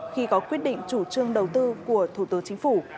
khi có quyết định chủ trương đầu tư của thủ tướng chính phủ